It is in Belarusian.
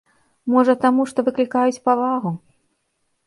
Можа, таму, што выклікаюць павагу?